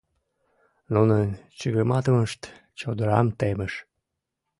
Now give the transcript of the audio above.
Нунын чыгыматымышт чодырам темыш.